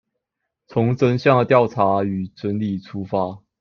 從真相的調查與整理出發